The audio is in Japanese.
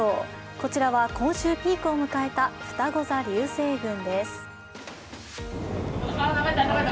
こちらは今週ピークを迎えたふたご座流星群です。